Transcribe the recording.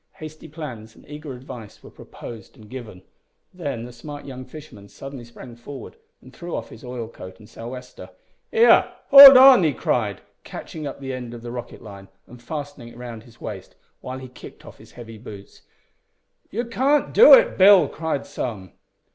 Hasty plans and eager advice were proposed and given. Then the smart young fisherman suddenly sprang forward, and threw off his oil coat and sou' wester. "Here! hold on!" he cried, catching up the end of the rocket line, and fastening it round his waist, while he kicked off his heavy boots. "You can't do it, Bill," cried some.